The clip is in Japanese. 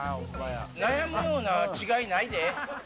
悩むような違いないで。